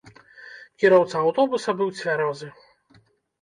Кіроўца аўтобуса быў цвярозы.